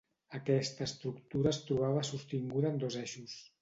Aquesta estructura es trobava sostinguda en dos eixos.